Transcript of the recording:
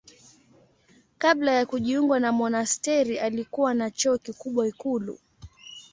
Kabla ya kujiunga na monasteri alikuwa na cheo kikubwa ikulu.